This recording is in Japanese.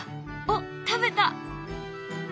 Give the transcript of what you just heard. おっ食べた。